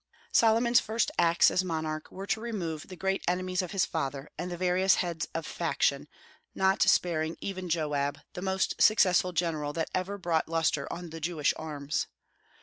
Solomon's first acts as monarch were to remove the great enemies of his father and the various heads of faction, not sparing even Joab, the most successful general that ever brought lustre on the Jewish arms.